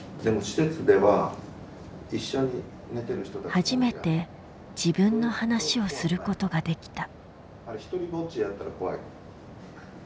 初めて自分の話をすることができた。